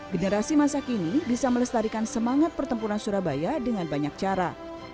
generasi masa kini bisa melestarikan semangat pertempuran surabaya dengan banyak cara